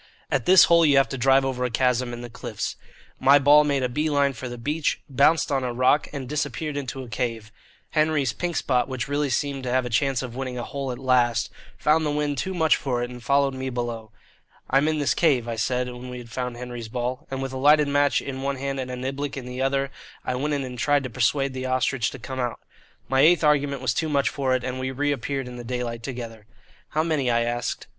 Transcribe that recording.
At this hole you have to drive over a chasm in the cliffs. My ball made a bee line for the beach, bounced on a rock, and disappeared into a cave. Henry's "Pink Spot," which really seemed to have a chance of winning a hole at last, found the wind too much for it and followed me below. "I'm in this cave," I said, when we had found Henry's ball; and with a lighted match in one hand and a niblick in the other I went in and tried to persuade the "Ostrich" to come out. My eighth argument was too much for it, and we reappeared in the daylight together. "How many?" I asked.